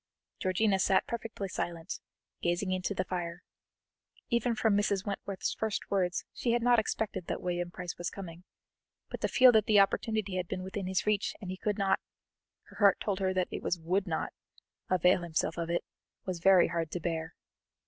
Georgiana sat perfectly silent, gazing into the fire. Even from Mrs. Wentworth's first words she had not expected that William Price was coming, but to feel that the opportunity had been within his reach, and he could not her heart told her that it was would not avail himself of it, was very hard to bear.